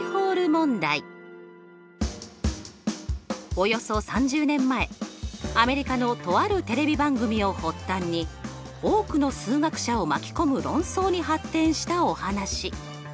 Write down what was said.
およそ３０年前アメリカのとあるテレビ番組を発端に多くの数学者を巻き込む論争に発展したお話。